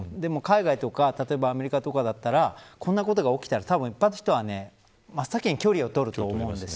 海外やアメリカだとこんなことが起きたら、一般の人は真っ先に距離を取ると思うんです。